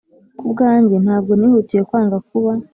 Ku bwanjye ntabwo nihutiye kwanga kuba